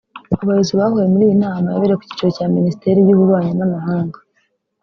Abayobozi bahuye muri iyi nama yabereye ku cyicaro cya Minisiteri y’Ububanyi n’amahanga